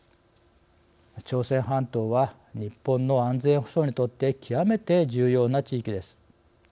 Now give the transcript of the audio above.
朝鮮半島は日本の安全保障にとって極めて重要な地域です。